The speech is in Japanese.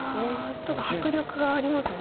ちょっと迫力がありますね。